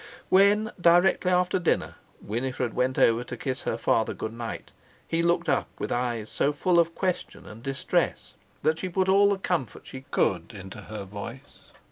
When, directly after dinner, Winifred went over to kiss her father good night, he looked up with eyes so full of question and distress that she put all the comfort she could into her voice.